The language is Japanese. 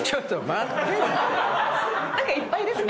何かいっぱいですね。